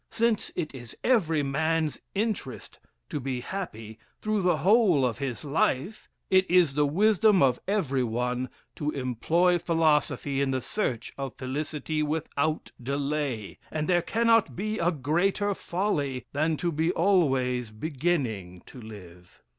Since it is every man's interest to be happy through the whole of life, it is the wisdom of every one to employ philosophy in the search of felicity without delay; and there cannot be a greater folly, than to be always beginning to live.